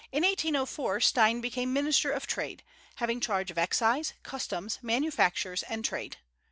In 1804 Stein became Minister of Trade, having charge of excise, customs, manufactures, and trade.